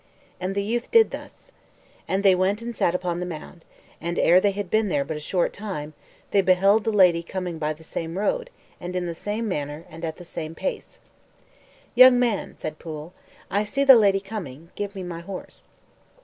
And the youth did thus. And they went and sat upon the mound; and ere they had been there but a short time, they beheld the lady coming by the same road, and in the same manner, and at the same pace. "Young man," said Pwyll, "I see the lady coming; give me my horse."